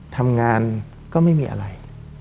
ทำงานก็ไม่มีอะไร